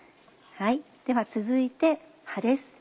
では続いて葉です。